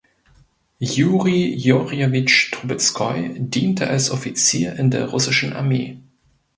Juri Jurjewitsch Trubezkoi diente als Offizier in der russischen Armee.